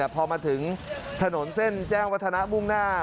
พอมาถึงถนนเส้นแจ้งวัฒนะมุ่งหน้า